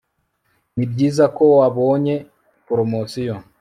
Nibyiza ko wabonye promotion